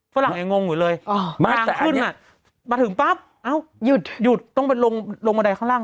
ฝรั่งยังงงอยู่เลยมากขึ้นมาถึงปั๊บเอ้าหยุดหยุดต้องไปลงลงบันไดข้างล่าง